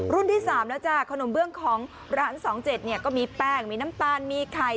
ที่๓แล้วจ้ะขนมเบื้องของร้าน๒๗เนี่ยก็มีแป้งมีน้ำตาลมีไข่